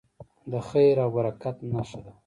د خیر او برکت نښه ده.